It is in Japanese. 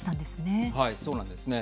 そうなんですね。